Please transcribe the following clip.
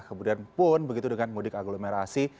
kemudian pun begitu dengan mudik agglomerasi